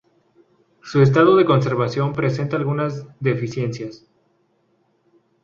Su estado de conservación presenta algunas deficiencias.